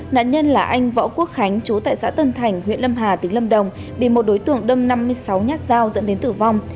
nạn nhân là anh võ quốc khánh chú tại xã tân thành huyện lâm hà tỉnh lâm đồng bị một đối tượng đâm năm mươi sáu nhát dao dẫn đến tử vong